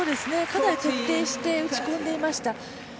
かなり徹底して打ち込んでいました。